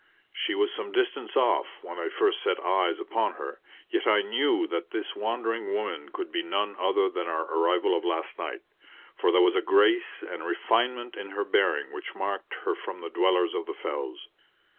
She was some distance off when I first set eyes upon her, yet I knew that this wandering woman could be none other than our arrival of last night, for there was a grace and refinement in her bearing which marked her from the dwellers of the fells.